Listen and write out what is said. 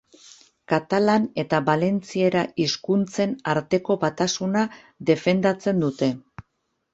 Katalan eta valentziera hizkuntzen arteko batasuna defendatzen dute.